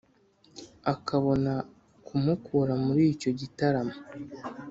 akabona kumukura muri icyo gitaramo